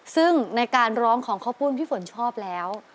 ซึ่งในการร้องของข้าวปุ้นพี่ฝนชอบแล้ว